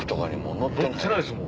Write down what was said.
載ってないですもん。